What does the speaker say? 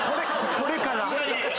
これから。